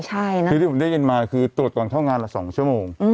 คือที่ผมได้ยินมาคือตรวจก่อนเข้างานละ๒ชั่วโมง